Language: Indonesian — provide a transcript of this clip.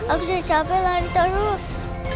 aku capek lari terus